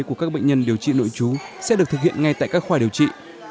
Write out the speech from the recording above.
của các bệnh nhân điều trị nội trú sẽ được thực hiện ngay tại các khoa điều trị